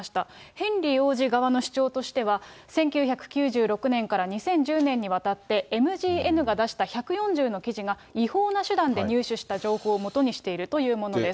ヘンリー王子側の主張としては、１９９６年から２０１０年にわたってＭＧＮが出した１４０の記事が、違法な手段で入手した情報を基にしているというものです。